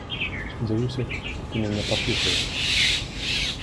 Спадзяюся, што ты мяне паслухаеш.